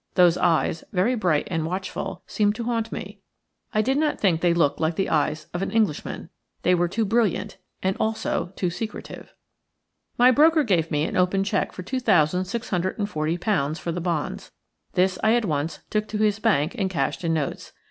Those eyes, very bright and watchful, seemed to haunt me. I did not think they looked like the eyes of an Englishman – they were too brilliant, and also too secretive. "I OBSERVED A MAN LEANING AGAINST THE RAILINGS." My broker gave me an open cheque for two thousand six hundred and forty pounds for the bonds. This I at once took to his bank and cashed in notes.